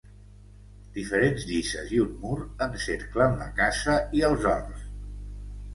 Diferents llices i un mur encerclen la casa i els horts.